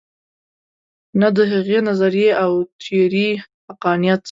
نه د هغې نظریې او تیورۍ حقانیت.